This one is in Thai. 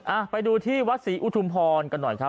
อ่ะไปดูที่วัดศรีอุทุมพรกันหน่อยครับ